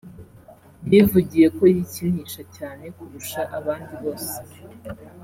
yivugiye ko yikinisha cyane kurusha abandi bose